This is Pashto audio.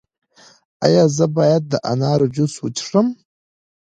ایا زه باید د انار جوس وڅښم؟